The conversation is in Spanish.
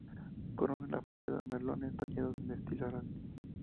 Coronan la fachada merlones tallados en estilo árabe.